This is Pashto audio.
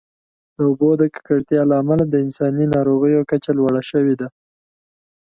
د اوبو د ککړتیا له امله د انساني ناروغیو کچه لوړه شوې ده.